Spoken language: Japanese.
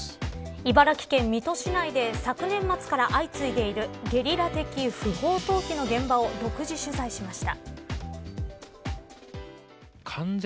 茨城県水戸市内で昨年末から相次いでいるゲリラ的不法投棄の現場を独自取材しました。